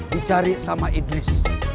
dicari sama idris